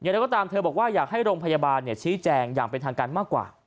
เราก็ตามเธอบอกว่าอยากให้โรงพยาบาลชี้แจงอย่างเป็นทางการมากกว่า